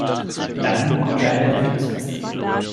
Dann bekommt er eine Rettungsweste.